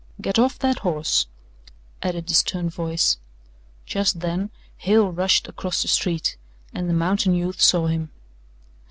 "Get off that horse," added the stern voice. Just then Hale rushed across the street and the mountain youth saw him.